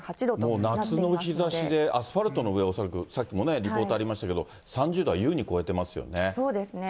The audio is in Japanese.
もう夏の日ざしで、アスファルトの上、恐らくさっきもリポートありましたけれども、３０度は優に超えてそうですね。